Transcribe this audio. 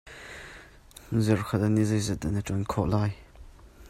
Zarhkhat ah ni zeizat dah na ṭuan khawh lai?